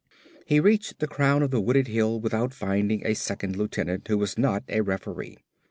He reached the crown of the wooded hill without finding a second lieutenant who was not a referee.